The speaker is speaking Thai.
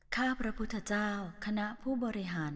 ข้าพระพุทธเจ้าคณะผู้บริหาร